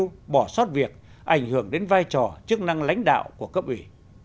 lưu bỏ sót việc ảnh hưởng đến vai trò chức năng lãnh đạo của cấp ủy